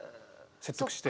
説得して。